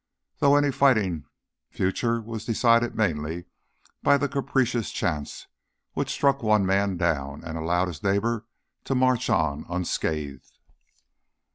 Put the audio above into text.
Though any fighting future was decided mainly by the capricious chance which struck one man down and allowed his neighbor to march on unscathed.